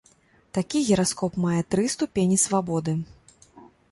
Такі гіраскоп мае тры ступені свабоды.